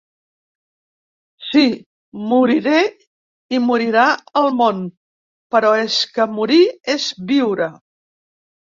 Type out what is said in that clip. Sí, moriré i morirà el món, però és que morir és viure.